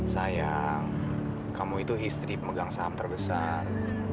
sayang kamu itu istri pemegang saham terbesar